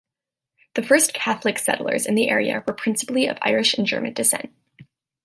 The first Catholic settlers in the area were principally of Irish and German descent.